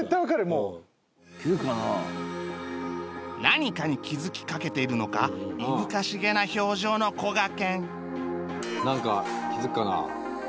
何かに気づきかけているのか訝しげな表情のこがけんなんか気づくかな？